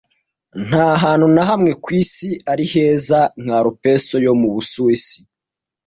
Nta hantu na hamwe ku isi ari heza nka Alpes yo mu Busuwisi.